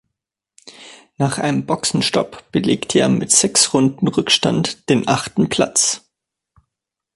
Nach einem Boxenstopp belegte er mit sechs Runden Rückstand den achten Platz.